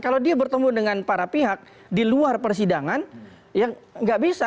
kalau dia bertemu dengan para pihak di luar persidangan ya nggak bisa